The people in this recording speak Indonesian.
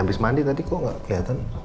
abis mandi tadi kok ga keliatan